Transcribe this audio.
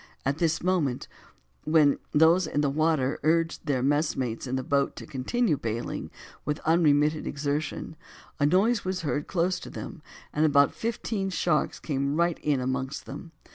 At this moment, when those in the water urged their messmates in the boat to continue bailing with unremitted exertion, a noise was heard close to them, and about fifteen sharks came right in amongst them.